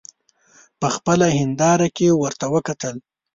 په خپله هینداره کې ورته وکتل.